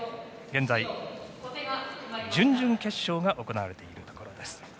現在、準々決勝が行われているところです。